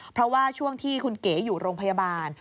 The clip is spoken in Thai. เพราะว่าช่วงที่คุณเก๋อยู่โรงพยาบาล